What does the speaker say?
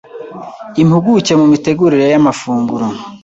Impuguke mumitegurire y’amafunguro